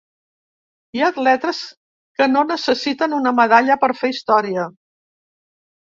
Hi ha atletes que no necessiten una medalla per fer història.